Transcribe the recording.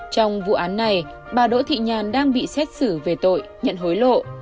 trong vụ án này bà đỗ thị nhàn đang bị xét xử về tội nhận hối lộ